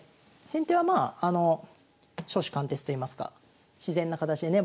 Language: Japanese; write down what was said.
先手はまあ初志貫徹といいますか自然な形でね